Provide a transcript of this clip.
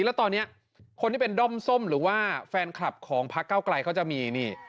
แล้วตอนนี้คนที่เป็นด้อมส้มหรือว่าแฟนคลับของพักเก้าไกลเขาจะมีนี่